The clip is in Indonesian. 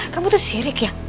kamu tuh sirik ya